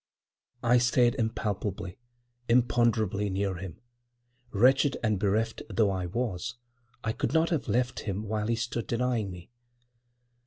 I stayed impalpably, imponderably near him. Wretched and bereft though I was, I could not have left him while he stood denying me.